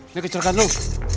ini kejarkan dulu